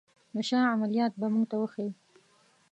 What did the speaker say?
د شاه عملیات به موږ ته وښيي.